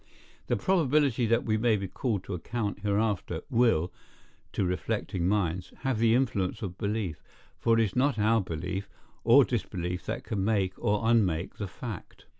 The probability that we may be called to account hereafter, will, to reflecting minds, have the influence of belief; for it is not our belief or disbelief that can make or unmake the fact.